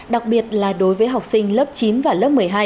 đặc biệt là đối với học sinh lớp chín và lớp một mươi hai